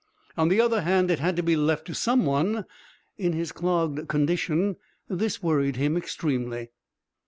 On the other hand, it had to be left to some one. In his clogged condition this worried him extremely.